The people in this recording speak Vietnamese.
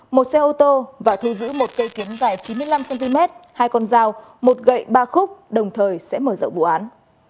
một xe ô tô và thu giữ một cây kiếm dài chín mươi năm cm hai con dao một gậy ba khúc đồng thời sẽ mở rộng vụ án